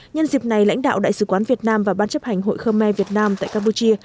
nhân dịp này lãnh đạo đại sứ quán việt nam và ban chấp hành hội khơ me việt nam tại campuchia